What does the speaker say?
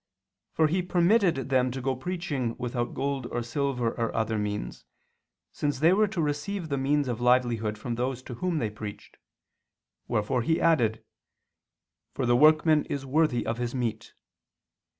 For he permitted them to go preaching without gold or silver or other means, since they were to receive the means of livelihood from those to whom they preached; wherefore He added: "For the workman is worthy of his meat."